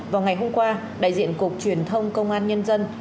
vào ngày hôm qua đại diện cục truyền thông công an nhân dân